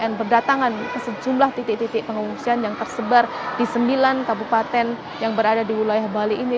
dan berdatangan sejumlah titik titik pengungsian yang tersebar di sembilan kabupaten yang berada di wilayah bali ini